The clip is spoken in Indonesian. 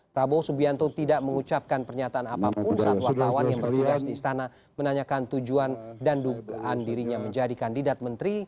prabowo subianto tidak mengucapkan pernyataan apapun saat wartawan yang bertugas di istana menanyakan tujuan dan dugaan dirinya menjadi kandidat menteri